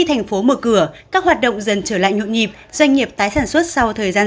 thành phố mở cửa các hoạt động dần trở lại nhộn nhịp doanh nghiệp tái sản xuất sau thời gian